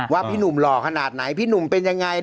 พี่หนุ่มหล่อขนาดไหนพี่หนุ่มเป็นยังไง